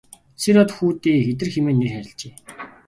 Сэр-Од хүүдээ Идэр хэмээн нэр хайрлажээ.